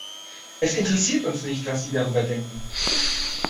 Es interessiert uns nicht, was Sie darüber denken.